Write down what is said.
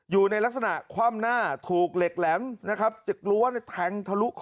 อยู่ในลักษณะคว่ำหน้าถูกเหล็กแหลมนะครับจากรั้วแทงทะลุคอ